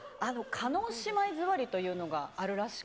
叶姉妹座りというのがあるらしく。